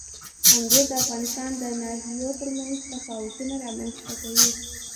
انګور د افغانستان د ناحیو ترمنځ تفاوتونه رامنځ ته کوي.